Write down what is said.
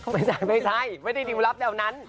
ไม่ใช่ไม่ได้ดิวลับแนวนั้น